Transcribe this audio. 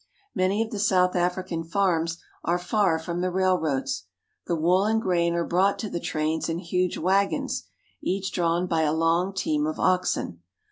Many of the South African farms are far from the rail roads. The wool and grain are brought to the trains in . huge wagons, each drawn by a long team of oxen.